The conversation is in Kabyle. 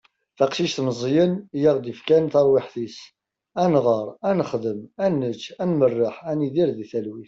taqcict meẓẓiyen i aɣ-d-yefkan taṛwiḥt-is ad nɣeṛ, ad nexdem, ad nečč, ad merreḥ, ad nidir di talwit